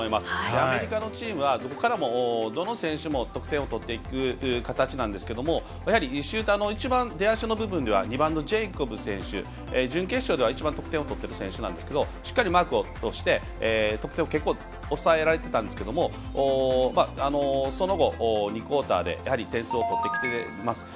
アメリカのチームはどこからも、どの選手も得点を取っていく形なんですけどやはりシューターの一番、出だしの部分２番のジェイコブ選手準決勝では一番得点を取ってる選手なんですけどしっかりマークをして得点を結構抑えられてたんですけどその後、２クオーターで点数を取ってきています。